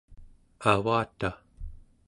avataᵉ